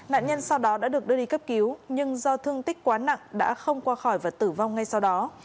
nạn nhân sau đó đã được đưa đi cấp cứu nhưng do thương tích quá nặng đã không qua khỏi và tử vong ngay sau đó